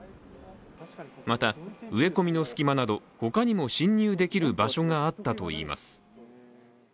また、植え込みの隙間など他にも侵入できる場所があったといいます。